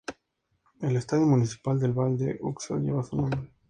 El estadio municipal de Vall de Uxó lleva su nombre.